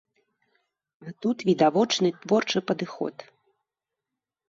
А тут відавочны творчы падыход.